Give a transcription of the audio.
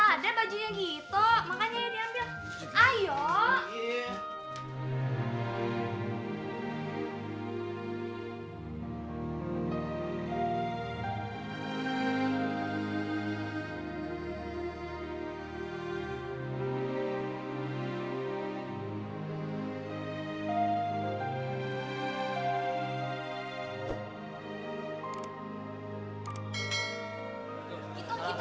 ada bajunya gitu makanya ya diambil ayo